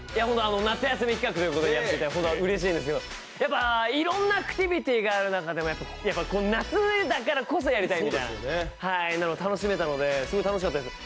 夏休み企画ということでやらせていただいて、うれしいんですけど、やっぱ、いろんなアクティビティーがある中で夏だからこそやりたいみたいなでも楽しめたのですごい楽しかったです。